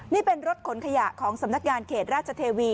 นี่เป็นรถขนขยะของสำนักงานเขตราชเทวี